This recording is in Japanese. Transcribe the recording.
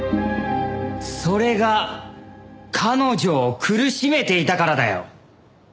それが彼女を苦しめていたからだよ！